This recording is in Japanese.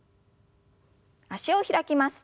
脚を開きます。